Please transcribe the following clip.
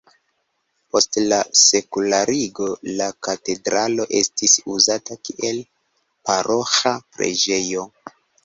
Post la sekularigo la katedralo estis uzata kiel paroĥa preĝejo.